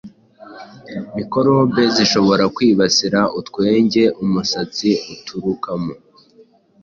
mikorobe zishobora kwibasira utwenge umusatsi uturukamo.